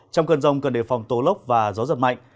trong cơn rông cần đề phòng tố lốc và gió giật mạnh